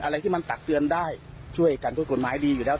อะไรที่มันตักเตือนได้ช่วยกันด้วยกฎหมายดีอยู่แล้ว